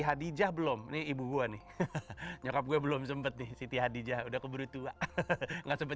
hadijah belum nih ibu gue nih nyokap gue belum sempat nih siti hadijah udah keburu tua nggak sempat